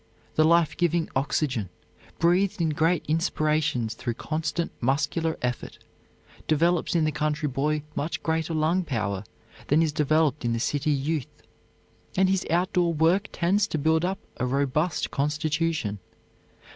The life giving oxygen, breathed in great inspirations through constant muscular effort, develops in the country boy much greater lung power than is developed in the city youth, and his outdoor work tends to build up a robust constitution.